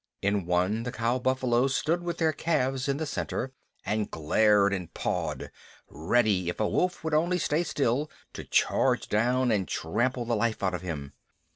In one, the cow buffaloes stood with their calves in the center, and glared and pawed, ready, if a wolf would only stay still, to charge down and trample the life out of him.